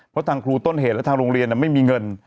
เพราะทางครูต้นเหตุและทางโรงเรียนไม่มีเงิน